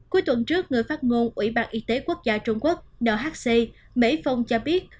cuối tuần trước người phát ngôn ủy ban y tế quốc gia trung quốc nhc mỹ phong cho biết